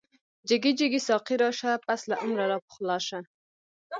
جگی جگی ساقی راشه، پس له عمره را پخلاشه